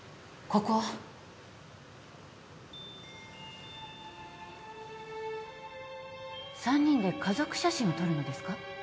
ここは三人で家族写真を撮るのですか？